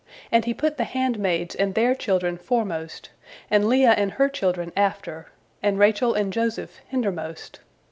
And he put the handmaids and their children foremost, and Leah and her children after, and Rachel and Joseph hindermost.